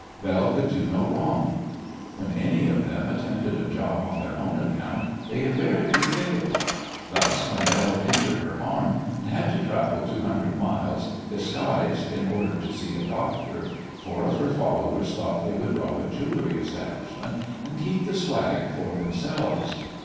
Belle could do no wrong. When any of them attempted a job on their own account they invariably failed. Thus when Belle injured her arm, and had to travel two hundred miles disguised in order to see a doctor, four of her followers thought they would rob a jewellery establishment and keep the "swag" for themselves.